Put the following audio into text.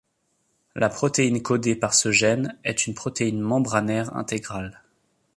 La protéine codée par ce gène est une protéine membranaire intégrale.